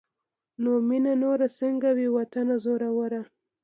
نو مينه نوره سنګه وي واطنه زوروره